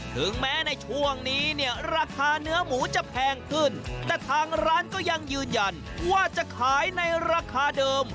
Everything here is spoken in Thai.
ถึงแม้ในช่วงนี้เนี่ยราคาเนื้อหมูจะแพงขึ้นแต่ทางร้านก็ยังยืนยันว่าจะขายในราคาเดิม